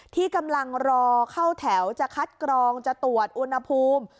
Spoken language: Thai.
ที่กำลังรอเข้าแถวจะคัดกรองจะตรวจอุณหภูมิ